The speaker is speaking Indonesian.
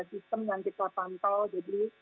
sistem yang kita pantau jadi